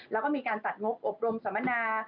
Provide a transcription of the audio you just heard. แล้วก็มีการตัดงบอบรมสัมมนา